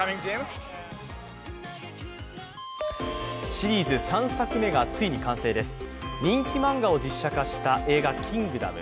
シリーズ３作目がついに完成です人気漫画を実写化した映画「キングダム」。